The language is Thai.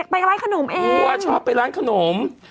ไปร้านขนมเองกลัวชอบไปร้านขนม